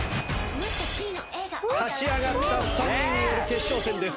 勝ち上がった３人による決勝戦です。